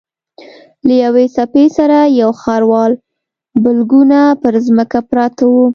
له یوې څپې سره یو خروار بلګونه پر ځمکه پراته وو.